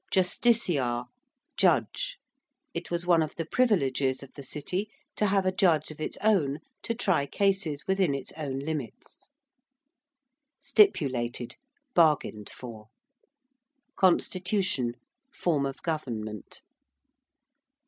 ~Justiciar~: judge. It was one of the privileges of the City to have a judge of its own to try cases within its own limits. ~stipulated~: bargained for. ~constitution~: form of government.